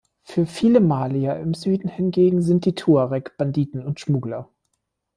Für viele Malier im Süden hingegen sind die Tuareg Banditen und Schmuggler.